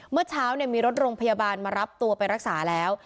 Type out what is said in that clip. เมื่อเช้ามีรถโรงพยาบาลมารับตัวไปรักษาแล้ว